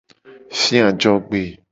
Fia ajogbe.